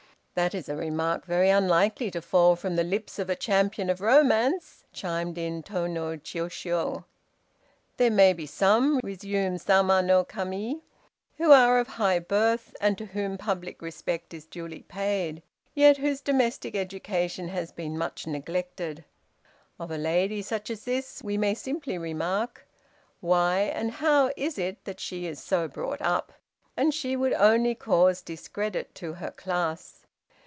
"That is a remark very unlikely to fall from the lips of a champion of romance," chimed in Tô no Chiûjiô. "There may be some," resumed Sama no Kami, "who are of high birth, and to whom public respect is duly paid, yet whose domestic education has been much neglected. Of a lady such as this we may simply remark, 'Why, and how, is it that she is so brought up?' and she would only cause discredit to her class.